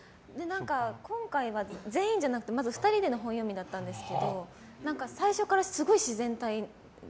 今回は、全員じゃなくてまず２人での本読みだったんですけど最初から、すごい自然体で。